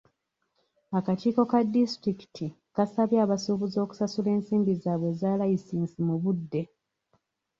Akakiiko ka disitulikiti kasabye abasuubuzi okusasula ensimbi zaabwe eza layisinsi mu budde.